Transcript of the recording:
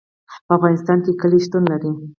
په افغانستان کې کلي شتون لري.